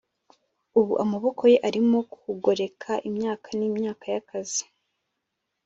ubu amaboko ye arimo kugoreka imyaka n'imyaka y'akazi,